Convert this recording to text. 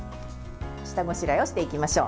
下ごしらえをしていきましょう。